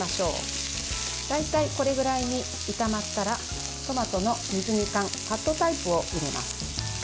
大体これぐらいに炒まったらトマトの水煮缶カットタイプを入れます。